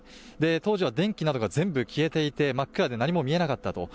当時は電気などが全部消えていて、真っ暗で何も見えなかったと。